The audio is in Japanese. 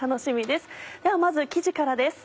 ではまず生地からです。